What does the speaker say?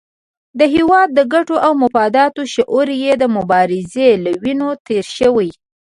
د هېواد د ګټو او مفاداتو شعور یې د مبارزې له وینو تېر شوی.